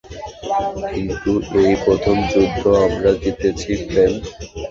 কিন্তু, এই প্রথম যুদ্ধ আমরা জিতেছি, প্রেম।